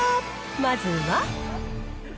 まずは。